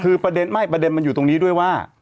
คือประเด็นไม่ประเด็นมันอยู่ตรงนี้ด้วยว่า